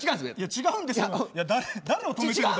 違うんですよ本当！